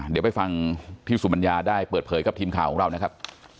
เดี๋ยวไปฟังพี่สุมัญญาได้เปิดเผยกับทีมข่าวของเรานะครับ